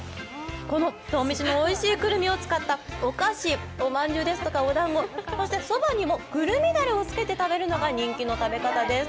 この東御市のおいしいくるみを使ったお菓子、おまんじゅうですとか、おだんご、そしてそばにもくるみだれをつけて食べるのが人気の食べ方です。